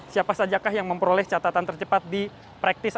siapa saja yang memperoleh catatan tercepat di practice